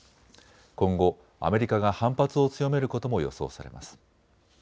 今後アメリカが反発を強めることも予想されます。